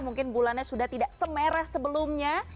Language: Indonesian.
mungkin bulannya sudah tidak semerah sebelumnya